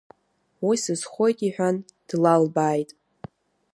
Уи сызхоит, — иҳәан, длалбааит.